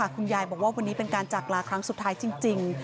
คุณยายบอกว่าวันนี้เป็นการจากลาครั้งสุดท้ายจริง